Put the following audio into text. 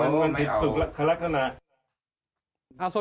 มันถิ่นสุขคลักษณะ